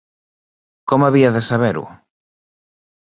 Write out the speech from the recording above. Com havia de saber-ho?